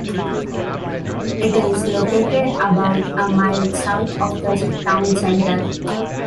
It is located about a mile south of the town centre.